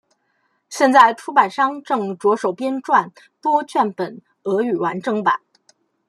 现在出版商正着手编撰多卷本俄语完整版。